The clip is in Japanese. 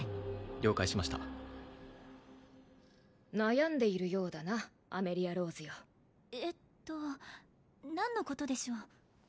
了解しました悩んでいるようだなアメリア＝ローズよえっと何のことでしょう？